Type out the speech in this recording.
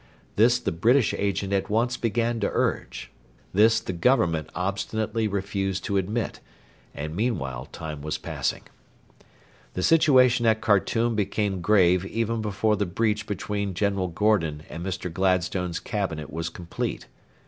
This the British Agent at once began to urge. This the Government obstinately refused to admit; and meanwhile time was passing. The situation at Khartoum became grave even before the breach between General Gordon and Mr. Gladstone's Cabinet was complete.